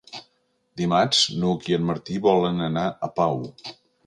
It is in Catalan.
Dimarts n'Hug i en Martí volen anar a Pau.